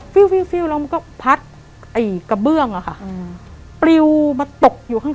ฟิวแล้วมันก็พัดไอ้กระเบื้องอะค่ะปลิวมาตกอยู่ข้าง